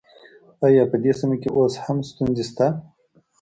آيا په دې سيمه کې اوس هم ستونزې شته؟